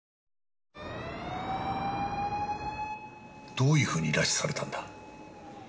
どういう風に拉致されたんだ？